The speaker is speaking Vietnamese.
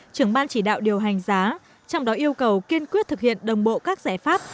trưởng ban chỉ đạo điều hành giá trong đó yêu cầu kiên quyết thực hiện đồng bộ các giải pháp